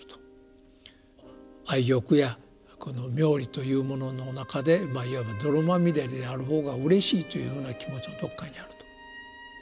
「愛欲」やこの「名利」というものの中でまあいわば泥まみれである方がうれしいというふうな気持ちがどっかにあると。